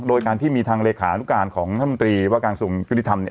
โดยการที่มีทางเลขานุการของท่านตรีว่าการสูงยุติธรรมเนี่ย